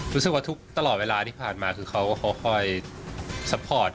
รู้สึกว่าทุกตลอดเวลาที่ผ่านมาคือเขาคอยซัพพอร์ต